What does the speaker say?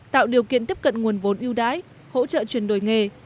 tạo điều kiện tiếp cận nguồn vốn ưu đãi hỗ trợ chuyển đổi nghề